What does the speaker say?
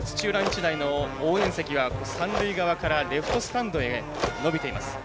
日大の応援席は三塁側からレフトスタンドへ延びています。